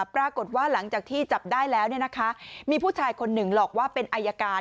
ปรากฏว่าหลังจากที่จับได้แล้วมีผู้ชายคนหนึ่งหลอกว่าเป็นอายการ